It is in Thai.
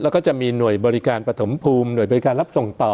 แล้วก็จะมีหน่วยบริการปฐมภูมิหน่วยบริการรับส่งต่อ